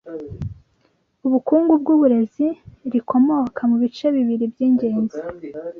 ubukungu bwuburezi rikomoka mubice bibiri byingenzi